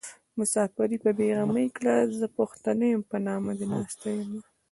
مساپري په بې غمي کړه زه پښتنه يم په نامه دې ناسته يمه